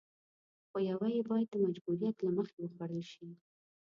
خو يوه يې بايد د مجبوريت له مخې وخوړل شي.